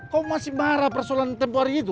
kau masih marah persoalan tempoh hari itu